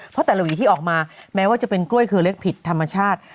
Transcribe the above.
เพราะแต่ละหวีที่ออกมาแม้ว่าจะเป็นกล้วยเครือเล็กผิดธรรมชาติ